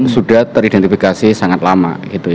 sudah teridentifikasi sangat lama